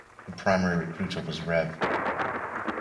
The primary recruiter was Rev.